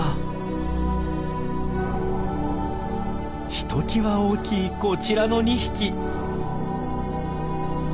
ひときわ大きいこちらの２匹。